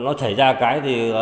nó xảy ra cái thì